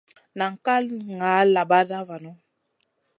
Nan ka ŋa labaɗa vanu.